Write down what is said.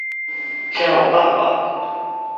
叫爸爸